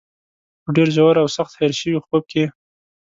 په ډېر ژور او سخت هېر شوي خوب کې.